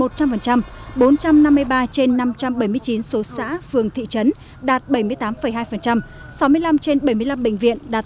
bốn trăm năm mươi ba trên năm trăm bảy mươi chín số xã phường thị trấn đạt bảy mươi tám hai sáu mươi năm trên bảy mươi năm bệnh viện đạt sáu mươi